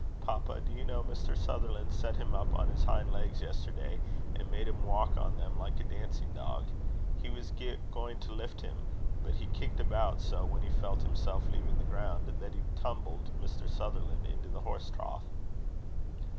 Papa, do you know, Mr. Sutherland set him up on his hind legs yesterday, and made him walk on them like a dancing dog. He was going to lift him, but he kicked about so when he felt himself leaving the ground, that he tumbled Mr. Sutherland into the horse trough."